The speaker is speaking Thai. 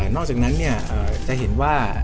นอกจากนั้นเนี่ยจะเห็นว่า